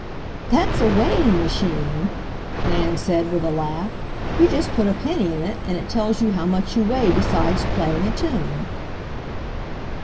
"That's a weighing machine," Nan said with a laugh. "You just put a penny in it and it tells you how much you weigh besides playing a tune."